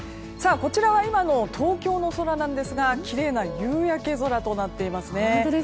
こちらは今の東京の空なんですがきれいな夕焼け空となっていますね。